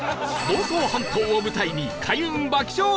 房総半島を舞台に開運爆笑旅！